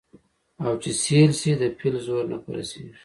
او چي سېل سي د پیل زور نه په رسیږي